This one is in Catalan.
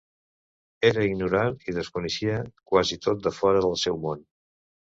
Era ignorant i desconeixia quasi tot de fora del seu món.